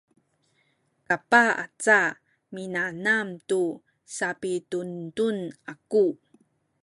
kapah aca minanam tu sapidundun aku